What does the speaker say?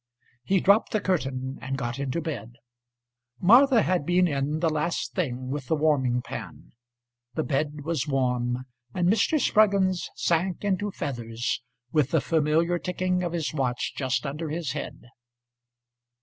He dropped the curtain and got into bed. Martha had been in the last thing with the warming pan; The bed was warm, And Mr. Spruggins sank into feathers, With the familiar ticking of his watch just under his head.